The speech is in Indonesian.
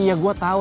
iya gue tau